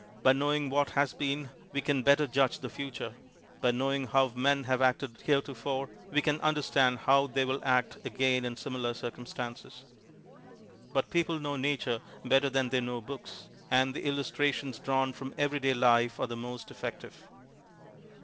By knowing what has been we can better judge the future ; by knowing how men have acted heretofore we can understand how they will act again in simi'.ai' circumstances. But people know nature better than they know books, and the illustrations drawn from every day life are the m.ost effective.